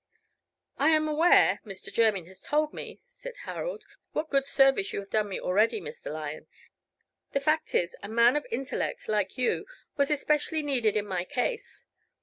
"I am aware Mr. Jermyn has told me," said Harold, "what good service you have done me already, Mr. Lyon. The fact is, a man of intellect like you was especially needed in my case.